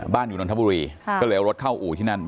บ้านจนคิดที่นอนทะบุรีก็เอารถค่าอู่ที่นั่น